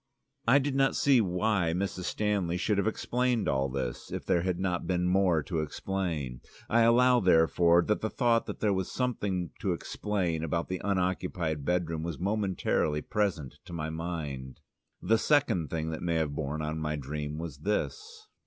I did not see why Mrs. Stanley should have explained all this, if there had not been more to explain. I allow, therefore, that the thought that there was something to explain about the unoccupied bedroom was momentarily present to my mind. The second thing that may have borne on my dream was this.